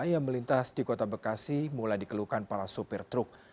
yang melintas di kota bekasi mulai dikeluhkan para sopir truk